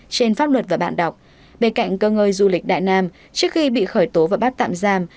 trên pháp luật và bạn đọc bên cạnh cơ ngơi du lịch đại nam trước khi bị khởi tố và bắt tạm giam